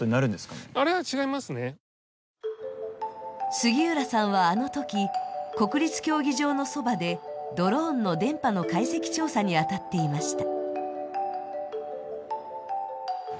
杉浦さんは、あのとき国立競技場のそばでドローンの電波の解析調査に当たっていました。